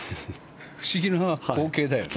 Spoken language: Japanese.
不思議な光景だよね。